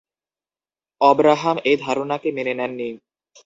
অব্রাহাম এই ধারণাকে মেনে নেননি।